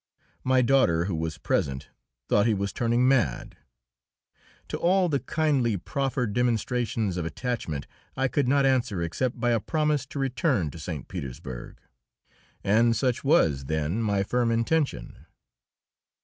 My daughter, who was present, thought he was turning mad. To all the kindly proffered demonstrations of attachment I could not answer except by a promise to return to St. Petersburg. And such was then my firm intention.